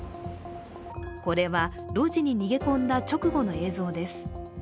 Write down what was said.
これは路地に逃げ込んだ直後の映像です。